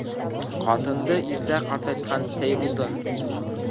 Ҡатынды иртә ҡартайтҡан сей утын.